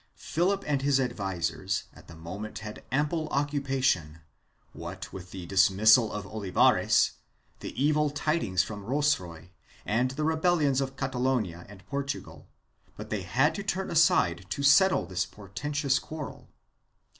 Philip and his advisers at the moment had ample occupation, what with the dismissal of Olivares, the evil tidings from Rocroy and the rebellions in Catalonia and Portugal, but they had to turn aside to settle this portentous quarrel.